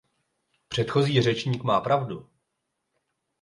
Předchozí řečník má pravdu.